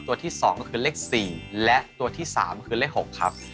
ตัวที่๒ก็คือเลข๔และตัวที่๓คือเลข๖ครับ